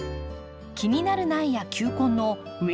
気になる苗や球根の植えつけ